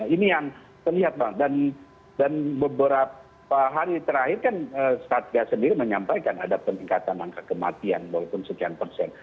ini yang terlihat pak dan beberapa hari terakhir kan satgas sendiri menyampaikan ada peningkatan angka kematian walaupun sekian persen